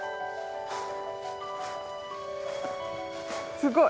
すごい。